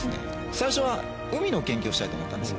最初は海の研究をしたいと思ったんですよ。